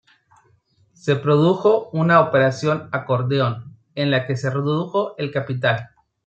Se produjo una operación acordeón, en la que se redujo el capital.